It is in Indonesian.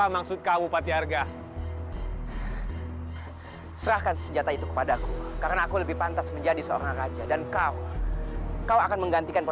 ya enggak kita cari juragan baru